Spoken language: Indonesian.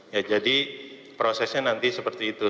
ya jadi prosesnya nanti seperti itu